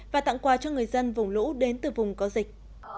và tặng quà cho người dân vùng lũ đến từ vùng có dịch